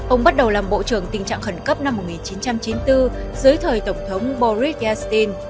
ông bắt đầu làm bộ trưởng tình trạng khẩn cấp năm một nghìn chín trăm chín mươi bốn dưới thời tổng thống boris yastin